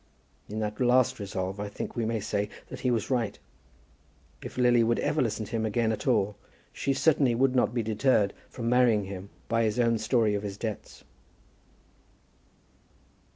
In that last resolve I think we may say that he was right. If Lily would ever listen to him again at all, she certainly would not be deterred from marrying him by his own story of his debts.